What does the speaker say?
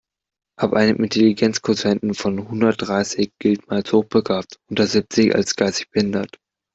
Ab einem Intelligenzquotienten von hundertdreißig gilt man als hochbegabt, unter siebzig als geistig behindert.